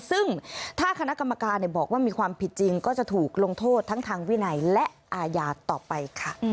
ซึ่งถ้าคณะกรรมการบอกว่ามีความผิดจริงก็จะถูกลงโทษทั้งทางวินัยและอาญาต่อไปค่ะ